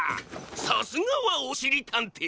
さすがはおしりたんてい！